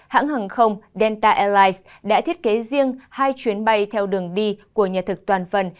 hãng hàng không delta airlines đã thiết kế riêng hai chuyến bay theo đường đi của nhà thực toàn phần